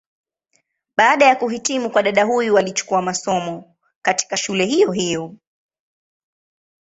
Baada ya kuhitimu kwa dada huyu alichukua masomo, katika shule hiyo hiyo.